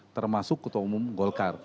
termasuk ketua umum golkar